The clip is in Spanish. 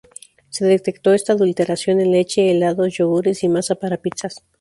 Se detectó esta adulteración en leche, helados, yogures y masa para pizzas.